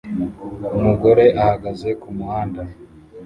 Umugore ahagaze kumuhanda